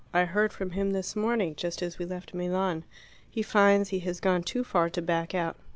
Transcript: "I heard from him this morning, just as we left Milan. He finds he has gone too far to back out.